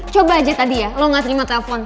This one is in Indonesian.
coba aja tadi ya lo gak terima telepon